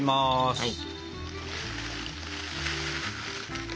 はい。